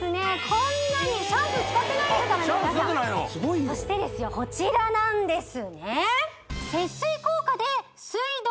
こんなにシャンプー使ってないですからね皆さんそしてですよこちらなんですね